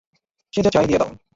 সে যা চায় দিয়ে দাও।